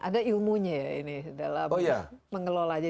ada ilmunya ya ini dalam mengelola aja